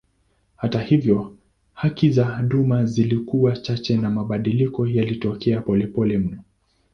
Hata hivyo haki za duma zilikuwa chache na mabadiliko yalitokea polepole mno.